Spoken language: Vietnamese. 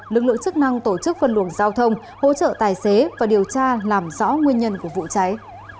lực lượng chức năng tổ chức phân luồng giao thông hỗ trợ tài xế và điều tra làm rõ nguyên nhân của vụ cháy